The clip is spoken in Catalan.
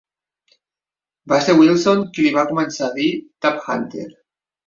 Va ser Willson qui li va començar a dir Tab Hunter.